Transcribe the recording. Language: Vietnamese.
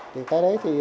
thì cái đấy thì